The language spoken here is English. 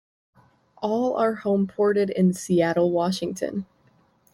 All are homeported in Seattle, Washington.